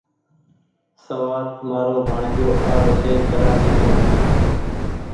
شوآر مآرو ڀآڻيجو آ رو ڇي ڪرآچي سون